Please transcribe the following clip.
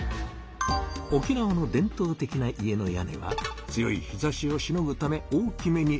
沖縄の伝とう的な家の屋根は強い日ざしをしのぐため大きめに。